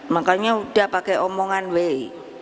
makanya udah pakai omongan we